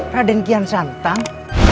raden kian santang